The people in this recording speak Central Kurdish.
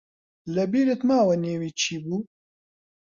لەبیرت ماوە نێوی چی بوو؟